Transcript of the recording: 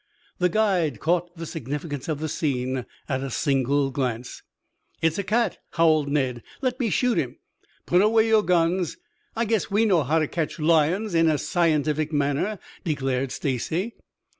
The guide caught the significance of the scene at a single glance. "It's a cat," howled Ned. "Let me shoot him." "Put away your guns. I guess we know how to catch lions in a scientific manner," declared Stacy.